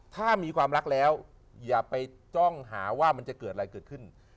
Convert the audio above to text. ถ้ามีความรักแล้วอย่าไปจ้องหาว่ามันจะเกิดอะไรเกิดขึ้น